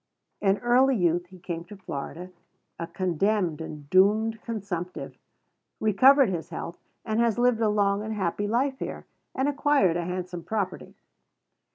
In early youth he came to Florida a condemned and doomed consumptive, recovered his health, and has lived a long and happy life here, and acquired a handsome property.